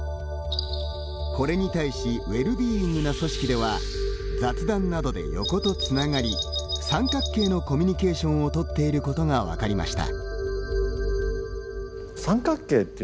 これに対しウェルビーイングな組織では雑談などで横とつながり三角形のコミュニケーションをとっていることが分かりました。